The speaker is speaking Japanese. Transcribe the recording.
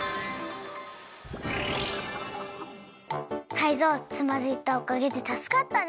タイゾウつまずいたおかげでたすかったね！